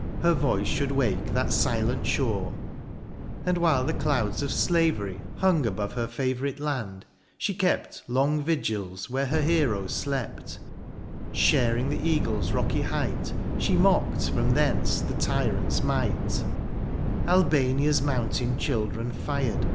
15 Her voice should wake that silent shore : And while the clouds of slavery hung Above her favourite land, she kept Long vigils where her heroes slept; Sharing the eagles rocky height, She mocked from thence the tyrant's might ; Albania's mountain children fired.